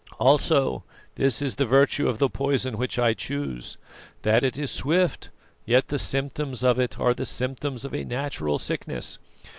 Also this is the virtue of the poison which I choose, that it is swift, yet the symptoms of it are the symptoms of a natural sickness.